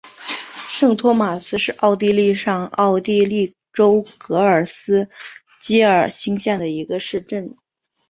圣托马斯是奥地利上奥地利州格里斯基尔兴县的一个市镇。